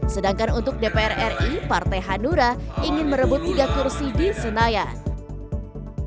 sedangkan untuk dpr ri partai hanura ingin merebut tiga kursi di senayan